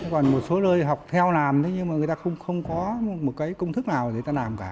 còn một số nơi học theo làm thế nhưng mà người ta không có một cái công thức nào để người ta làm cả